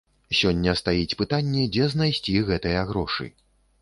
Сёння стаіць пытанне, дзе знайсці гэтыя грошы.